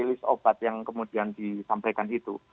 rilis obat yang kemudian disampaikan itu